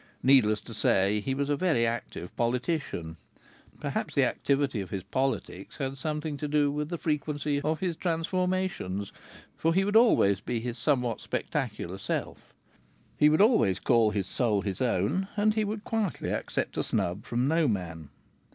Needless to say, he was a very active politician. Perhaps the activity of his politics had something to do with the frequency of his transformations for he would always be his somewhat spectacular self; he would always call his soul his own, and he would quietly accept a snub from no man.